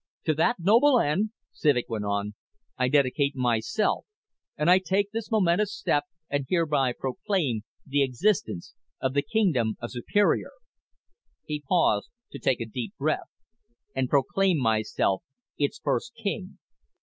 "To that noble end," Civek went on, "I dedicate myself, and I take this momentous step and hereby proclaim the existence of the Kingdom of Superior" he paused to take a deep breath "and proclaim myself its first King."